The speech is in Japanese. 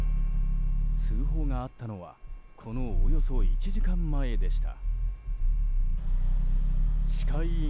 通報があったのはこのおよそ１時間前でした。